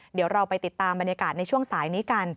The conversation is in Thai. เดี๋ยวเราไปติดตามบรรยากาศในช่วงสายนี้กัน